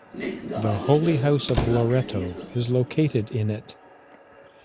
The Holy House of Loreto is located in it.